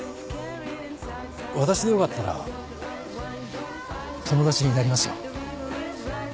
私でよかったら友達になりますよ。